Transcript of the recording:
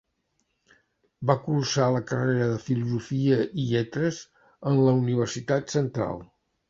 Va cursar la carrera de Filosofia i Lletres en la Universitat Central.